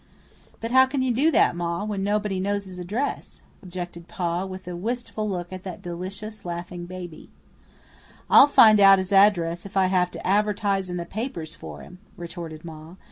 "But how can you do that, Ma, when nobody knows his address?" objected Pa, with a wistful look at that delicious, laughing baby. "I'll find out his address if I have to advertise in the papers for him," retorted Ma.